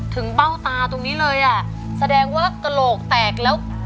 เบ้าตาตรงนี้เลยอ่ะแสดงว่ากระโหลกแตกแล้ว